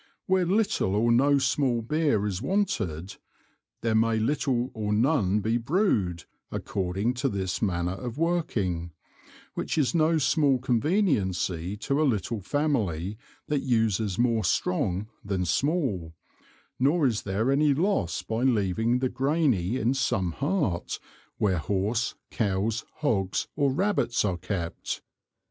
Where little or no small Beer is wanted, there may little or none be Brewed, according to this manner of Working, which is no small Conveniency to a little Family that uses more strong than small, nor is there any Loss by leaving the Grainy in some Heart, where Horse, Cows, Hogs, or Rabbits are kept.